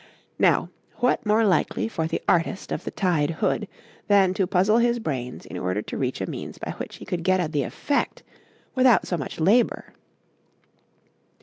Now what more likely for the artist of the tied hood than to puzzle his brains in order to reach a means by which he could get at the effect without so much labour!